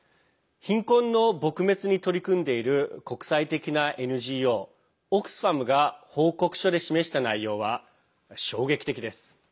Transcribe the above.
貧困の撲滅に取り組んでいる国際的なＮＧＯオックスファムが報告書で示した内容は衝撃的です。